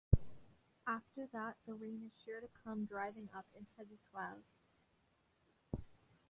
After that the rain is sure to come driving up in heavy clouds.